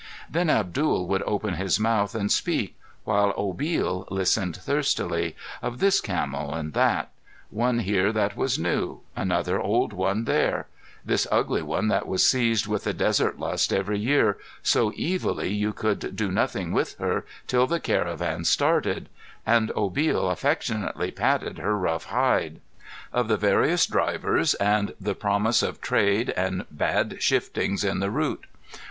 Then Abdul would open his mouth and speak, while Obil listened thirstily, of this camel and that; one here that was new, another old one there; this ugly one that was seized with the desert lust every year, so evilly you could do nothing with her till the caravan started and Obil affectionately patted her rough hide; of the various drivers, and the promise of trade, and bad shiftings in the route.